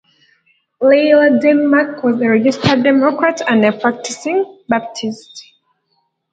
Leila Denmark was a registered Democrat and a practicing Baptist.